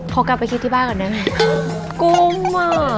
เขากลับไปคิดที่บ้านก่อนได้ไหม